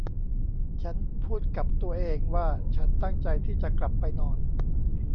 ฉันพูดกับตัวเองว่าฉันตั้งใจที่จะกลับไปนอน